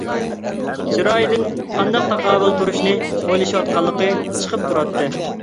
چىرايىدىن قانداق تاقابىل تۇرۇشنى ئويلىنىۋاتقانلىقى چىقىپ تۇراتتى.